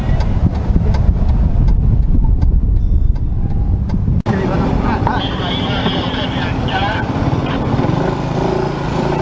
เมื่อเวลาอันดับสุดท้ายมันกลายเป็นภูมิที่สุดท้าย